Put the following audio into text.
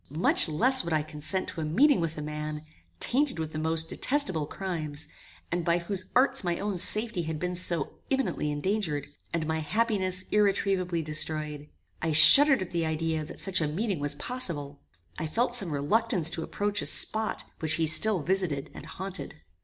Much less would I consent to a meeting with a man, tainted with the most detestable crimes, and by whose arts my own safety had been so imminently endangered, and my happiness irretrievably destroyed. I shuddered at the idea that such a meeting was possible. I felt some reluctance to approach a spot which he still visited and haunted.